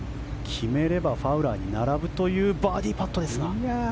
決めればファウラーに並ぶというバーディーパットですが。